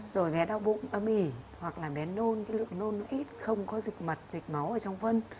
rồi bé đau bụng ấm ỉ hoặc là bé nôn lượng nôn ít không có dịch mật dịch máu trong phân